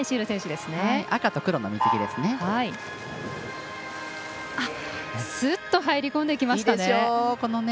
すっと入り込んでいきました。